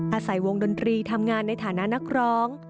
อาศัยวงดนตรีทำงานในฐานะนักร้อง